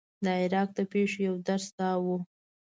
د عراق د پېښو یو درس دا و.